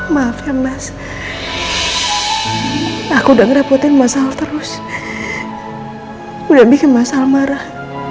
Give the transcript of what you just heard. maaf ya mas aku udah ngerapotin masalah terus udah bikin masalah marah